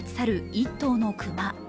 １頭の熊。